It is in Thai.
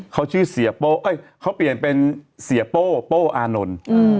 เขาชื่อเสียโป้เขาเปลี่ยนเป็นเสียโป้โป้อานนท์